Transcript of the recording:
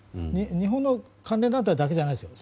日本の関連団体だけじゃないですよ。